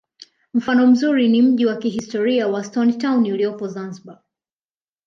mfano mzuri ni mji wa kihistoria wa stone town uliopo zanzibar